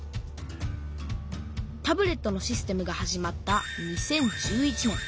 タブレットのシステムが始まった２０１１年。